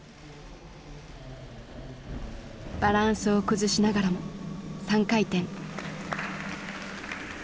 バランスを崩しながらも３回転。